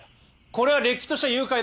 これはれっきとした誘拐だ。